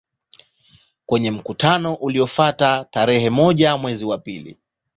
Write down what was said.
Kwenye mkutano uliofuata tarehe moja mwezi wa pili